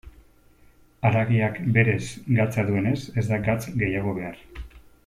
Haragiak berez gatza duenez ez da gatz gehiago behar.